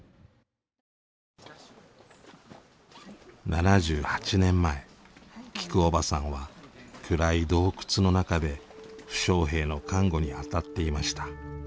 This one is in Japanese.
７８年前きくおばさんは暗い洞窟の中で負傷兵の看護に当たっていました。